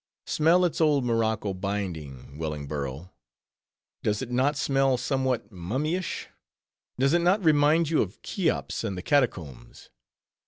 Smell its old morocco binding, Wellingborough; does it not smell somewhat mummy ish? Does it not remind you of Cheops and the Catacombs?